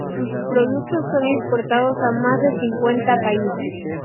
Sus productos son exportados a más de cincuenta países.